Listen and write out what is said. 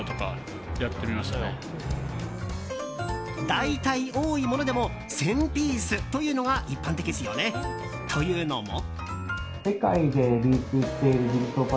大体、多いものでも１０００ピースというのが一般的ですよね。というのも。